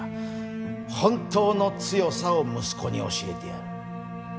本当の強さを息子に教えてやる。